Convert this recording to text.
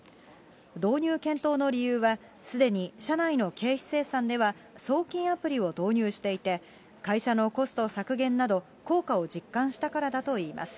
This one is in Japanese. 導入検討の理由は、すでに社内の経費精算では送金アプリを導入していて、会社のコスト削減など、効果を実感したからだといいます。